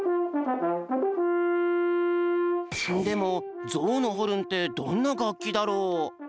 でもゾウのホルンってどんながっきだろう？